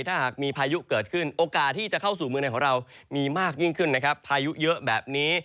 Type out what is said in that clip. ถ้าหากมีพายุเกิดขึ้นโอกาสที่จะเข้าสู่เมืองในของเรามีมากยิ่งขึ้นนะครับพายุเยอะแบบนี้